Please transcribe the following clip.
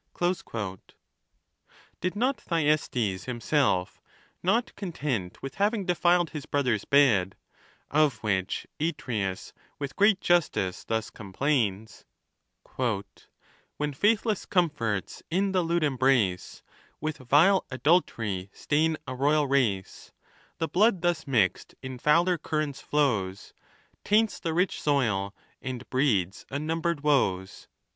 XXVII. Did not Thyestes himself, not content with hav ing defiled his brother's bed (of which Atreus with great justice thus complains, When faithless comforts, in the lewd embrace, With vile adultery stain a royal race, The blood thus mix'd in fouler currents flows, Taints the rich soil, and, breeds unnumber'd woes) —■' Here is a wide chasm in the original.